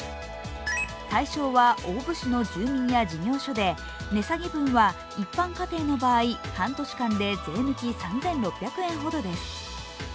対象は大府市の住民や事業所で値下げ分は一般家庭の場合半年間で税抜き３６００円ほどです。